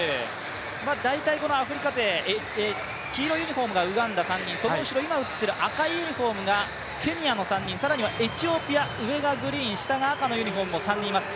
大体アフリカ勢、黄色いユニフォームがウガンダ３人、その後ろ、赤いユニフォームがケニアの３人、更にはエチオピア、上がグリーン、下が赤のユニフォームも３人います。